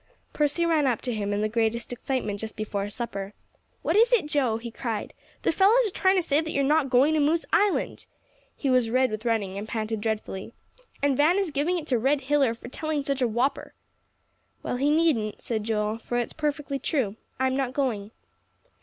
Percy ran up to him in the greatest excitement just before supper. "What is it, Joe?" he cried. "The fellows are trying to say that you're not going to Moose Island." He was red with running, and panted dreadfully. "And Van is giving it to Red Hiller for telling such a whopper." "Well, he needn't," said Joel, "for it's perfectly true. I'm not going."